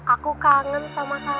aku kangen sama kamu